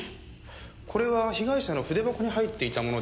これは被害者の筆箱に入っていたものです。